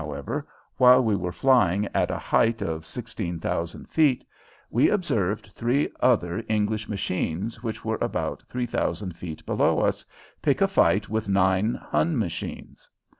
however, while we were flying at a height of sixteen thousand feet, we observed three other English machines which were about three thousand feet below us pick a fight with nine Hun machines.